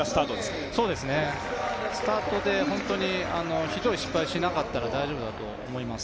スタートで本当にひどい失敗しなかったら大丈夫だと思います。